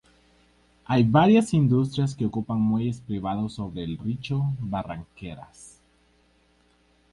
Hay varias industrias que ocupan muelles privados sobre el riacho Barranqueras.